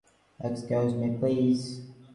Excuse me, please.